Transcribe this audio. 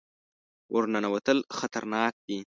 ور ننوتل خطرناک دي.